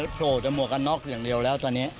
โผล่แต่หวกกันน็อกอย่างเดียวแล้วตอนนี้